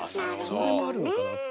それもあるのかなって。